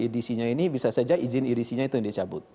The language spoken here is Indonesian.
edisinya ini bisa saja izin edisinya itu yang dicabut